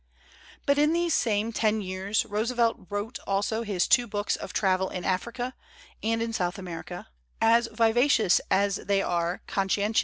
But in these same ten years Roosevelt wrote also his two books of travel in Africa and in South America, as vivacious as they are consci c ntimi